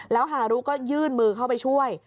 แล้วฮารุก็ยื่นมือเข้าไปช่วย